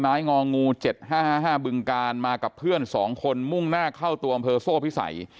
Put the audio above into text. ไม้งองู๗๕๕๕บึงกาลมากับเพื่อน๒คนมุ่งหน้าเข้าตัวเมืองโซ่พิษัย